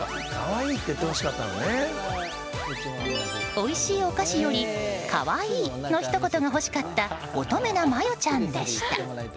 おいしいお菓子より可愛いのひと言が欲しかった乙女なマヨちゃんでした。